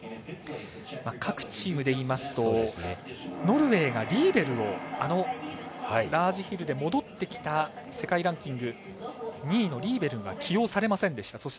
各チームでいいますとノルウェーがリーベルをラージヒルで戻ってきた世界ランキング２位のリーベルは起用されませんでした。